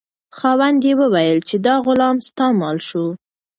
خاوند یې وویل چې دا غلام ستا مال شو.